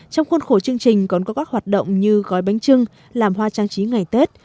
trong khuôn khổ chương trình còn có các hoạt động như gói bánh trưng làm hoa trang trí ngày tết